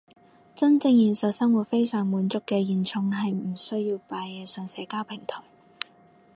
真正現實生活非常滿足嘅現充係唔需要擺嘢上社交平台